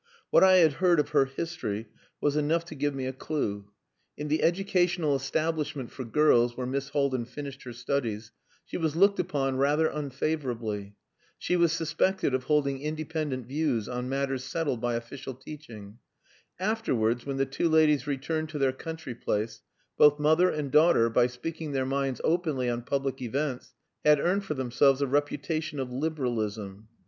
What I had heard of her history was enough to give me a clue. In the educational establishment for girls where Miss Haldin finished her studies she was looked upon rather unfavourably. She was suspected of holding independent views on matters settled by official teaching. Afterwards, when the two ladies returned to their country place, both mother and daughter, by speaking their minds openly on public events, had earned for themselves a reputation of liberalism.